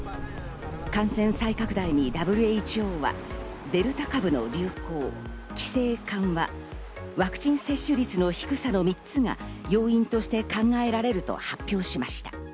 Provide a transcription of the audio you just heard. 感染再拡大にＷＨＯはデルタ株の流行、規制緩和、ワクチン接種率の低さの３つが要因として考えられると発表しました。